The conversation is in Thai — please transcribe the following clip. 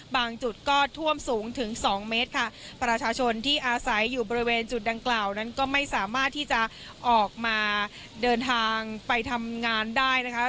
จุดก็ท่วมสูงถึงสองเมตรค่ะประชาชนที่อาศัยอยู่บริเวณจุดดังกล่าวนั้นก็ไม่สามารถที่จะออกมาเดินทางไปทำงานได้นะคะ